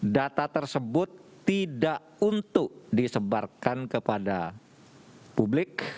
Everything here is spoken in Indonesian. data tersebut tidak untuk disebarkan kepada publik